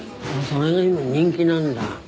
それが今人気なんだ。